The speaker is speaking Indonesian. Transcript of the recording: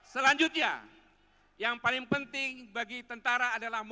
selanjutnya yang paling penting bagi tentara adalah